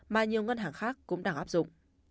mà nhiều ngân hàng khác cũng đang áp dụng